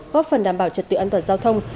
góp phần đảm bảo trật tự an toàn giao thông